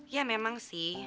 ya memang sih